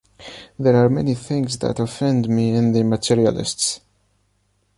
There are many things that offend me in the materialists.